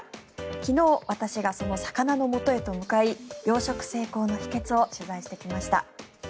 昨日、私がその魚のもとへと向かい養殖成功の秘けつを取材してきました。